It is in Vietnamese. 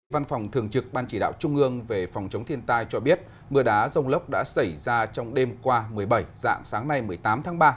văn phòng thường trực ban chỉ đạo trung ương về phòng chống thiên tai cho biết mưa đá rông lốc đã xảy ra trong đêm qua một mươi bảy dạng sáng nay một mươi tám tháng ba